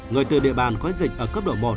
người từ địa bàn có dịch ở cấp độ một